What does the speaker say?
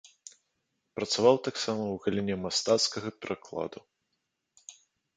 Працаваў таксама ў галіне мастацкага перакладу.